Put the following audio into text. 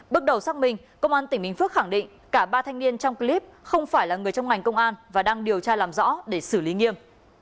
bước đầu xác minh công an tỉnh bình phước khẳng định cả ba thanh niên trong clip không phải là người trong ngành công an và đang điều tra làm rõ để xử lý nghiêm